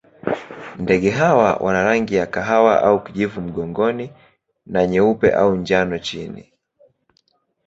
Ndege hawa wana rangi ya kahawa au kijivu mgongoni na nyeupe au njano chini.